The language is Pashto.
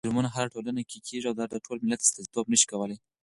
جرمونه هره ټولنه کې کېږي او دا د ټول ملت استازيتوب نه شي کولی.